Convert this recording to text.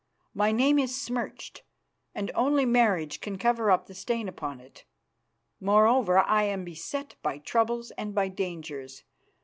My name is smirched, and only marriage can cover up the stain upon it. Moreover, I am beset by troubles and by dangers.